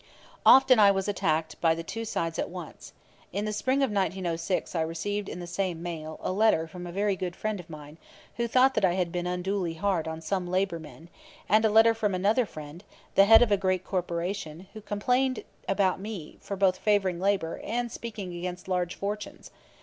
Often I was attacked by the two sides at once. In the spring of 1906 I received in the same mail a letter from a very good friend of mine who thought that I had been unduly hard on some labor men, and a letter from another friend, the head of a great corporation, who complained about me for both favoring labor and speaking against large fortunes.